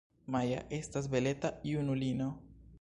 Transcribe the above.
Maja estas beleta junulino.